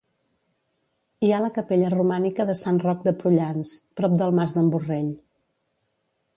Hi ha la capella romànica de Sant Roc de Prullans, prop del Mas d'en Borrell.